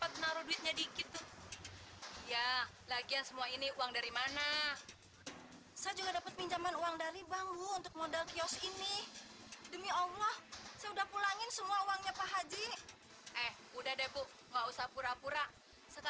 kenapa kamu getar begitu cepat pak